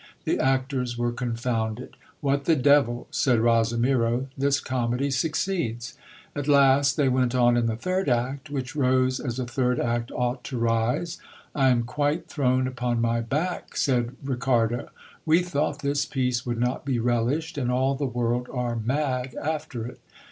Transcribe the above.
The actors were confounded. What the devil, said, Rosimiro, this comedy succeeds ! At last they went on in the third act, which rose as a third act ought to rise. I am quite thrown upon my back, said Ri cardo ; we thought this piece would not be relished ; and all the world are mad after it.